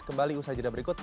kembali usai jeda berikut